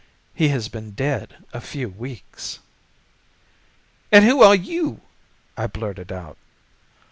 He has been dead a few weeks.' "'And who are you?' I blurted out.